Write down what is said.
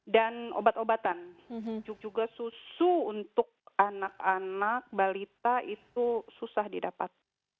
dan obat obatan juga susu untuk anak anak balita itu susah didapat